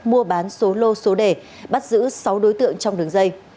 mua bán số lô số đề bắt giữ sáu đối tượng trong đường dây